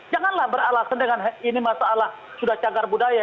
janganlah beralasan dengan ini masalah sudah cagar budaya